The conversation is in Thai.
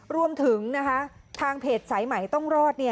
รวมถึงทางเพจสายใหม่ต้องรอด